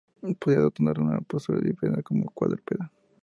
Podía adoptar tanto una postura bípeda como cuadrúpeda.